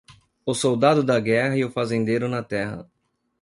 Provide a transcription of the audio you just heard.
O soldado da guerra e o fazendeiro na terra.